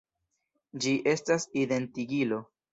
Ĝi estas identigilo.